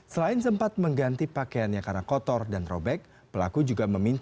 selain sempat mengganti pakaiannya karena kotor dan robek pelaku juga meminta